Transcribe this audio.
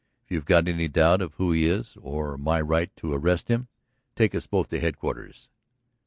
If you've got any doubt of who he is, or my right to arrest him, take us both to headquarters."